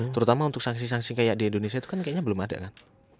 terutama untuk sanksi sanksi kayak di indonesia itu kan kayaknya belum ada kan